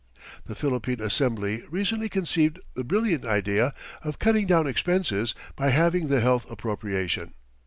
The Philippine Assembly recently conceived the brilliant idea of cutting down expenses by halving the health appropriation.